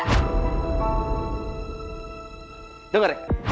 yang penting bawa duit